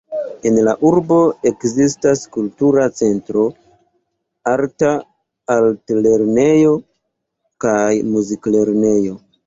En la urbo ekzistas kultura centro, arta altlernejo kaj muziklernejo.